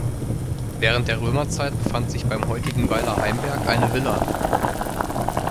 Während der Römerzeit befand sich beim heutigen Weiler Heimberg eine Villa.